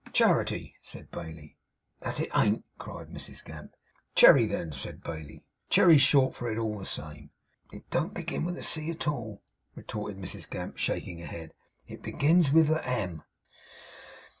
'Charity,' said Bailey. 'That it ain't!' cried Mrs Gamp. 'Cherry, then,' said Bailey. 'Cherry's short for it. It's all the same.' 'It don't begin with a C at all,' retorted Mrs Gamp, shaking her head. 'It begins with a M.